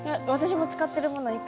私も使ってるもの